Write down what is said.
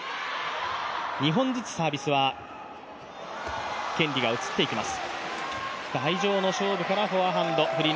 ２本ずつサービスは権利が移っていきます。